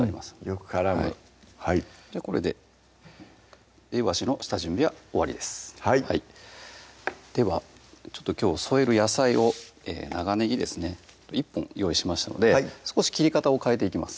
よく絡むじゃあこれでいわしの下準備は終わりですではきょう添える野菜を長ねぎですね１本用意しましたので少し切り方を変えていきます